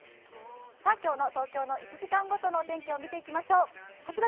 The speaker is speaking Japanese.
今日の東京の１時間ごとの天気を見ていきましょう。